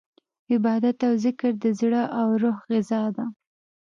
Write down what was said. عبادت او ذکر د زړه او روح غذا ده.